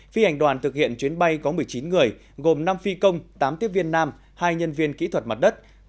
phi hành đoàn thực hiện chuyến bay có một mươi chín người gồm năm phi công tám tiếp viên nam hai nhân viên kỹ thuật mặt đất